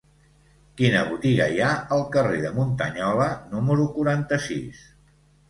Quina botiga hi ha al carrer de Muntanyola número quaranta-sis?